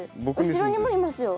後ろにもいますよ。